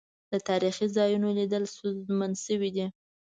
د تاريخي ځا يونوليدل ستونزمن سويدی.